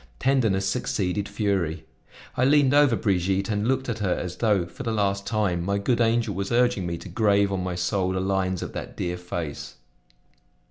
Tenderness succeeded fury. I leaned over Brigitte and looked at her as though, for the last time, my good angel was urging me to grave on my soul the lines of that dear face!